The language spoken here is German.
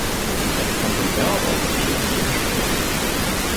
Doch von dem Mörder fehlt jede Spur.